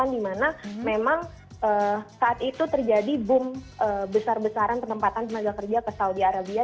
di mana memang saat itu terjadi boom besar besaran penempatan tenaga kerja ke saudi arabia